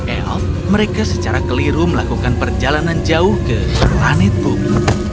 tapi alih alih alam elf mereka secara keliru melakukan perjalanan jauh ke planet bumi